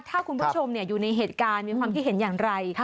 ถ้าคุณผู้ชมอยู่ในเหตุการณ์มีความคิดเห็นอย่างไร